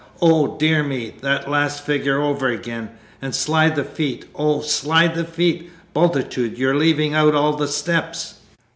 Oh, dear me! that last figure over again. And slide the feet, oh, slide the feet! (Bultitude, you're leaving out all the steps!")